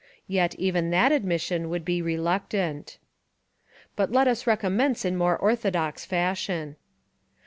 Yet even that admission would be reluctant. But let us recommence in more orthodox fashion.